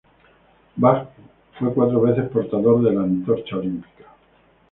Bach fue cuatro veces portador de la antorcha olímpica.